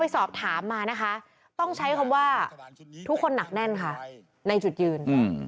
สอบถามมานะคะต้องใช้คำว่าทุกคนหนักแน่นค่ะในจุดยืน